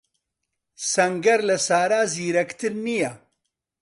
سەنگەر لە سارا زیرەکتر نییە.